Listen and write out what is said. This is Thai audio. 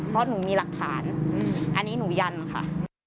เพราะหนูมีหลักฐานอันนี้หนูยันค่ะ